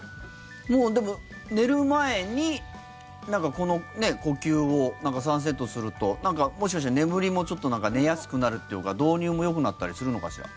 でも、寝る前にこの呼吸を３セットするともしかして眠りも寝やすくなるというか導入もよくなったりするのかしら。